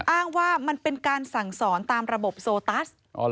อ้างว่ามันเป็นการสั่งสอนตามระบบโซตัส